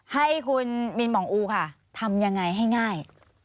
ให้คุณมินหมองอูค่ะทำยังไงให้ง่าย